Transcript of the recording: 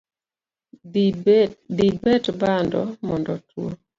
Dhibet bando mondo otwo.